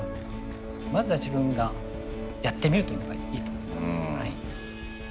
まずは自分がやってみるというのがいいと思います。